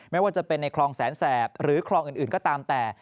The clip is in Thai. ไม่ว่าจะเป็นในคลองแสนแสบหรือคลองอื่นก็ตามแต่